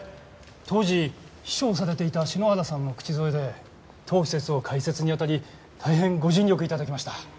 当時秘書をされていた篠原さんの口添えで当施設の開設にあたり大変ご尽力頂きました。